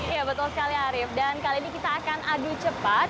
ya betul sekali arief dan kali ini kita akan adu cepat